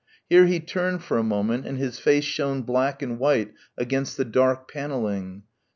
Here he turned for a moment and his face shone black and white against the dark panelling.